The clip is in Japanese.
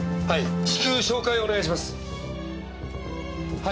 はい。